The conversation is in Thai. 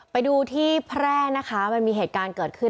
ไปดูที่แพร่นะคะมันมีเหตุการณ์เกิดขึ้น